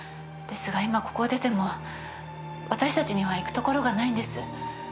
ですが今ここを出ても私たちには行くところがないんです。